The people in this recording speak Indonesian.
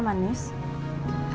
kanyang dulu ya ma